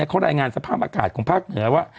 เขารายงานสภาพอากาศของภาคเหนือว่า